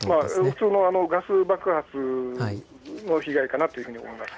普通のガス爆発の被害かなというふうに思います。